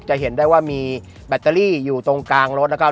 จะเห็นได้ว่ามีแบตเตอรี่อยู่ตรงกลางรถนะครับ